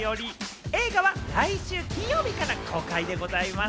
映画は来週金曜日から公開でございます。